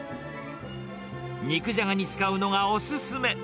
肉じゃがに使うのがお勧め。